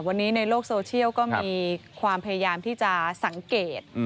วันนี้ในโลกโซเชียลก็มีความพยายามที่จะสังเกต